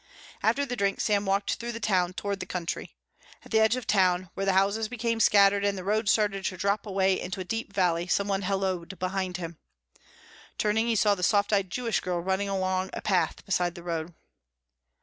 After the drink Sam walked through the town toward the country. At the edge of town where the houses became scattered and the road started to drop away into a deep valley some one helloed behind him. Turning, he saw the soft eyed Jewish girl running along a path beside the road.